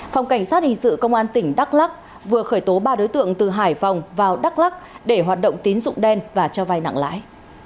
phòng cảnh sát hình sự công an tỉnh đắk lắc vừa khởi tố ba đối tượng từ hải phòng vào đắk lắc để hoạt động tín dụng đen và cho vai nặng lãi